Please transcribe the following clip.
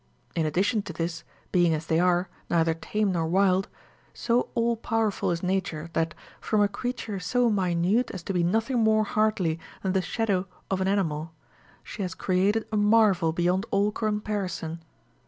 In addition to this, being as they are, neither tame nor wild, so all powerful is Nature, that, from a creature so minute as to be nothing more hardly than the shadow of an animal, she has created a marvel beyond all comparison.